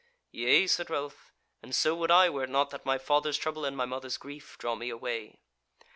"Yea," said Ralph, "and so would I, were it not that my father's trouble and my mother's grief draw me away."